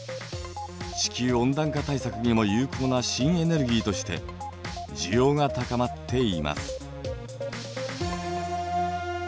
地球温暖化対策にも有効な新エネルギーとして需要が高まっています。